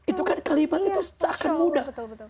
itu kan kalimat itu cakar muda